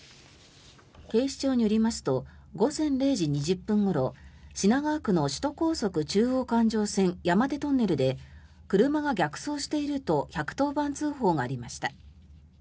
警視庁によりますと午前０時２０分ごろ品川区の首都高速道路中央環状線山手トンネルで車が逆走していると１１０番通報がありました。